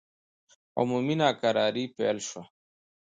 عمومي ناکراري پیل شوه.